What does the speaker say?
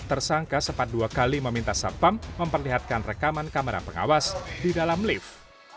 tersangka sempat dua kali meminta satpam memperlihatkan rekaman kamera pengawas di dalam lift